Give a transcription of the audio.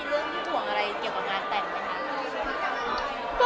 เรื่องถ่วงอะไรเกี่ยวกับงานแต่งไหมคะ